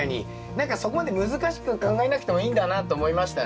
何かそこまで難しく考えなくてもいいんだなと思いましたね。